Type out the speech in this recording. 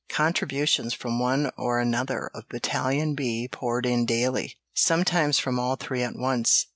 Contributions from one or another of Battalion B poured in daily sometimes from all three at once.